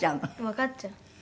わかっちゃう。